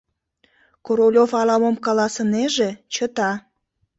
Королёв ала-мом каласынеже, чыта.